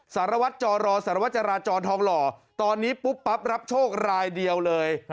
สารวัตรจรสารวจราจรทองหล่อตอนนี้ปุ๊บปั๊บรับโชครายเดียวเลย